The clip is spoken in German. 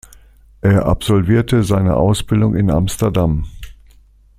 Er absolvierte seine Ausbildung in Amsterdam.